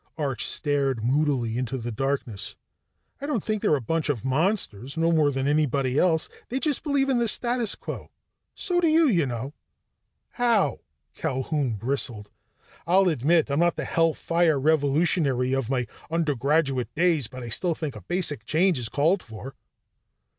Arch stared moodily into the darkness. "I don't think they're a bunch of monsters no more than anybody else. They just believe in the status quo. So do you, you know." "How?" Culquhoun bristled. "I'll admit I'm not the hell fire revolutionary of my undergraduate days, but I still think a basic change is called for."